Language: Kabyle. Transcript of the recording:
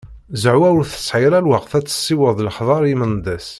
Zehwa ur tesɛi ara lweqt ad tessiweḍ lexbar i Mendas.